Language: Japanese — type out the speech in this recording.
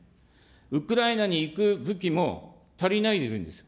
ウクライナに行く武器も足りないというんです。